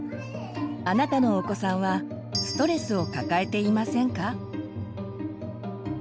あなたのお子さんはストレスを抱えていませんか？